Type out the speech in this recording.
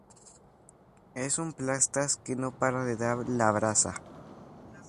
Es un plastas que no para de dar la brasa